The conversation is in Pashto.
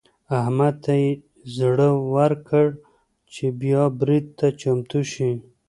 احمد ته يې زړه ورکړ چې بيا برید ته چمتو شي.